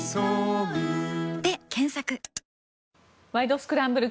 スクランブル」